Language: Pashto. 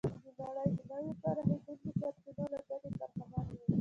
د نړۍ د نویو پراخېدونکو سرچینو له ګټو برخمن و.